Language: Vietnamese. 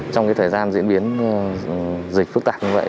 trong thời gian diễn biến dịch phức tạp như vậy